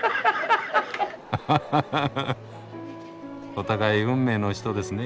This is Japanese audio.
お互い「運命の人」ですね？